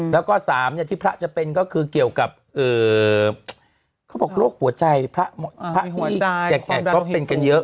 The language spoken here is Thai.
แล้วก็๓ที่พระจะเป็นก็คือเกี่ยวกับเขาบอกโรคหัวใจพระที่แก่ก็เป็นกันเยอะ